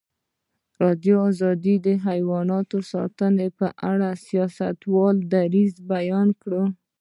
ازادي راډیو د حیوان ساتنه په اړه د سیاستوالو دریځ بیان کړی.